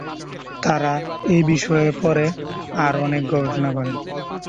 তারা এই বিষয়ে পরে আর অনেক গবেষণা করেন।